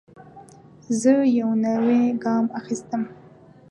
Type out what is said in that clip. زه یو نوی ګام اخیستم.